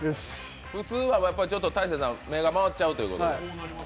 普通では大晴さん、曲がっちゃうということです。